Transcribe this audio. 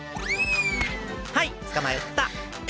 はいつかまえた。